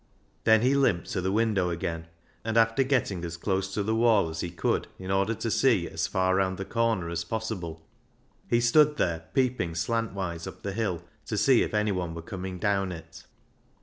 Then he limped to the window again, and after getting as close to the wall as he could in order to see as far round the corner as possible, he stood there peeping slantwise up the hill to see if anyone were coming down it.